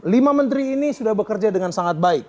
lima menteri ini sudah bekerja dengan sangat baik